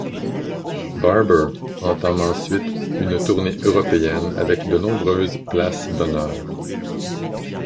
Barber entame ensuite une tournée européenne avec de nombreuses places d'honneurs.